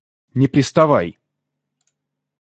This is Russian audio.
Не приставай!